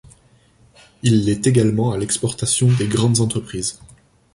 Il l'est également à l'exportation des grandes entreprises.